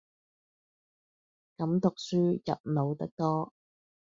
噉讀書入腦得多